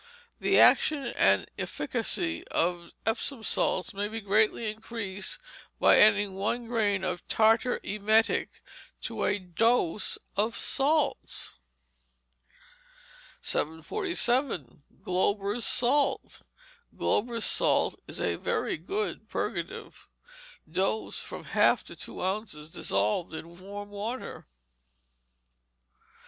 The action and efficacy of Epsom salts may be greatly increased by adding one grain of tartar emetic to a dose of salts. 747. Glauber's Salt Glauber's Salt is a very good purgative. Dose, from a half to two ounces, dissolved in warm water.